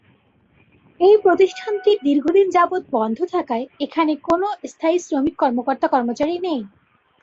এই প্রতিষ্ঠানটি দীর্ঘদিন যাবত্ বন্ধ থাকায় এখানে কোনো স্থায়ী শ্রমিক-কর্মকর্তা-কর্মচারী নেই।